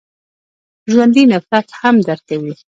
ژوندي نفرت هم درک کوي